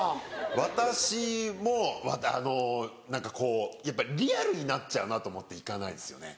私もあの何かこうやっぱリアルになっちゃうなと思って行かないんですよね。